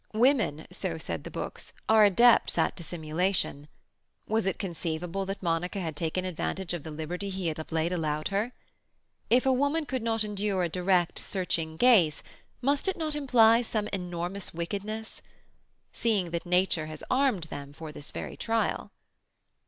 Women—so said the books—are adepts at dissimulation. Was it conceivable that Monica had taken advantage of the liberty he had of late allowed her? If a woman could not endure a direct, searching gaze, must it not imply some enormous wickedness?—seeing that nature has armed them for this very trial.